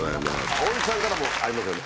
大西さんからもありますよね